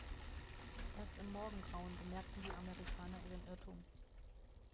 Erst im Morgengrauen bemerkten die Amerikaner ihren Irrtum.